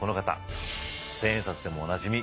千円札でもおなじみ